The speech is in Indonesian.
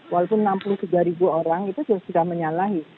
walaupun enam puluh tiga ribu orang itu sudah menyalahi